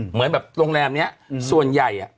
เหมือนแบบโรงแรมนี้ส่วนใหญ่